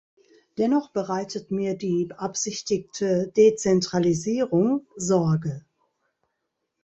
Dennoch bereitet mir die beabsichtigte Dezentralisierung Sorge.